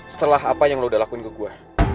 setelah apa yang lo udah lakuin ke gue